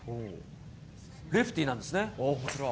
レフティーなんですね。